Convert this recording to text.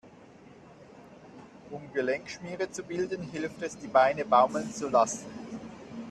Um Gelenkschmiere zu bilden, hilft es, die Beine baumeln zu lassen.